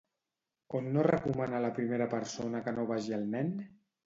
On no recomana la primera persona que no vagi el nen?